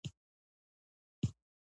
قدرتمند بلل کېږي.